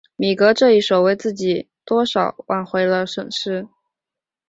米格这一手为自己多少挽回了损失。